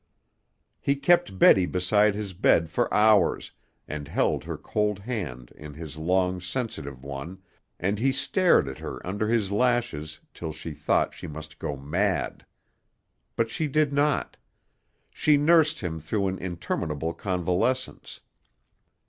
He kept Betty beside his bed for hours, and held her cold hand in his long, sensitive one, and he stared at her under his lashes till she thought she must go mad. But she did not. She nursed him through an interminable convalescence.